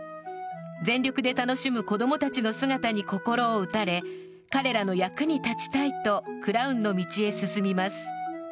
全力で楽しむ子供たちの姿に心を打たれ彼らの役に立ちたいとクラウンの道へ進みます。